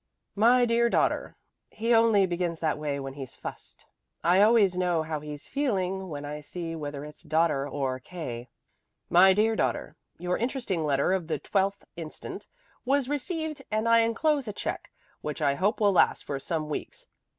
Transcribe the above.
"'My dear daughter' he only begins that way when he's fussed. I always know how he's feeling when I see whether it's 'daughter' or 'K.' 'My dear daughter: Your interesting letter of the 12th inst. was received and I enclose a check, which I hope will last for some weeks.'